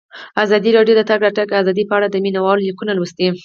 ازادي راډیو د د تګ راتګ ازادي په اړه د مینه والو لیکونه لوستي.